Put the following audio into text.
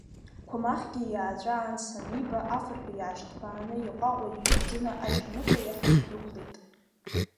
Қәамахьгьы иааҵәа анс аниба, афырҳәа иаашьҭԥааны иҟәаҟәа иҩықәҵаны Ашьханыҟәа иахь ддәықәлеит.